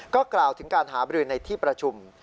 ก็กล่าวถึงการหาบรือในที่ประชุม